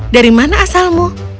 dari mana asalmu